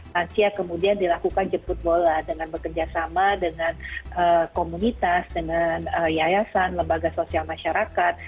lansia kemudian dilakukan jemput bola dengan bekerjasama dengan komunitas dengan yayasan lembaga sosial masyarakat